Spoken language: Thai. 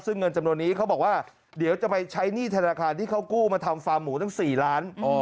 ซึ่งเงินจำนวนนี้เขาบอกว่าเดี๋ยวจะไปใช้หนี้ธนาคารที่เขากู้มาทำฟาร์มหมูตั้ง๔ล้าน